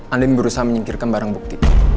alim berusaha menyingkirkan barang bukti